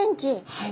はい。